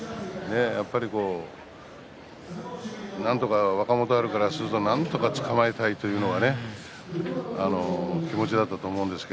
やっぱり、なんとか若元春からするとつかまえたいという気持ちだったと思います。